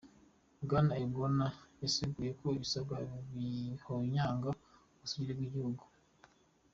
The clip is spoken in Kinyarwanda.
Bwana Erdogan yasiguye ko ibisabwa bihonyanga ubusugire bw'igihugu.